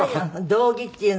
道着っていうのが。